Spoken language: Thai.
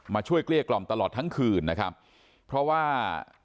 ช่วยเกลี้ยกล่อมตลอดทั้งคืนนะครับเพราะว่า